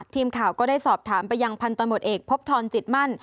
ทีมข่าวก็ได้สอบถามไปยังพันธมตเอกพบทรจิตมั่น